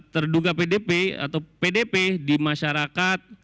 terduga pdp atau pdp di masyarakat